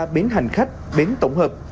một trăm một mươi ba bến hành khách bến tổng hợp